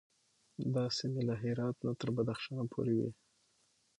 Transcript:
دا سیمې له هرات نه تر بدخشان پورې وې.